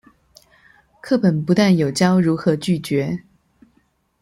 課本不但有教如何拒絕